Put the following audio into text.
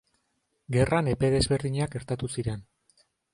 Gerran epe desberdinak gertatu ziren.